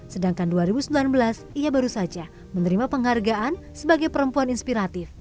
sedangkan dua ribu sembilan belas ia baru saja menerima penghargaan sebagai perempuan inspiratif